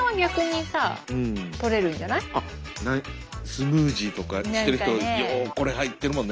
スムージーとかしてる人ようこれ入ってるもんね。